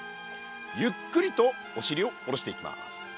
ゆっくりとおしりを下ろしていきます。